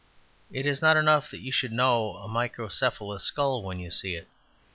It is not enough that you should know a microcephalous skull when you see it.